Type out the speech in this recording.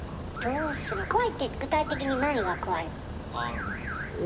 どうする怖いって具体的に何が怖い？